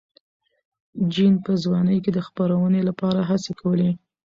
جین په ځوانۍ کې د خپرونې لپاره هڅې کولې.